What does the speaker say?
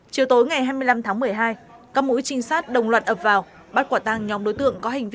chiều tối ngày hai mươi năm tháng một mươi hai các mũi trinh sát đồng loạt ập vào bắt quả tăng nhóm đối tượng có hành vi